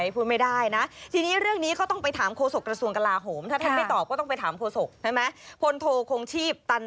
พี่ขอบอกทุกคน